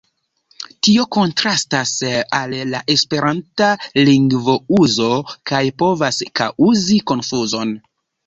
Tio kontrastas al la esperanta lingvouzo kaj povas kaŭzi konfuzon.